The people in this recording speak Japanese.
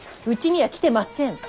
うちには来てません！